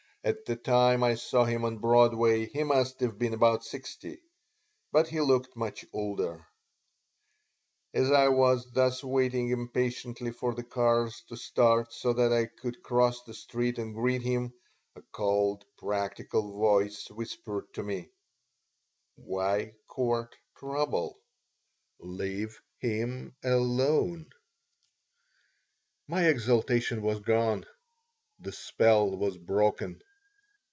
At the time I saw him on Broadway he must have been about sixty, but he looked much older As I was thus waiting impatiently for the cars to start so that I could cross the street and greet him, a cold, practical voice whispered to me: "Why court trouble? Leave him alone." My exaltation was gone. The spell was broken.